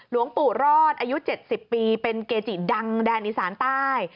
หลวงปู่รอดอายุ๗๐ปีเป็นเกจิดังแดนอีสานใต้